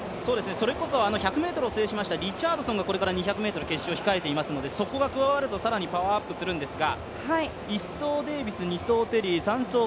それこそ１００ｍを制しましたリチャードソンがこれから２００ｍ決勝を控えていますのでそこが加わると更にパワーアップするんですが。